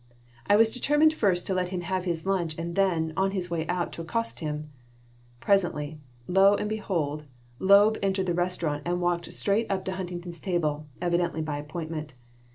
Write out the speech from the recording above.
I was determined first to let him have his lunch and then, on his way out, to accost him. Presently, lo and behold! Loeb entered the restaurant and walked straight up to Huntington's table, evidently by appointment.